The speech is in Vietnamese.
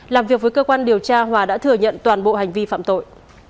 làm việc với cơ quan điều tra hòa đã thừa nhận toàn bộ hành vi phạm tội